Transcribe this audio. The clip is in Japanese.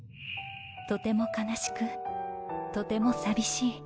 とても悲しくとても寂しい。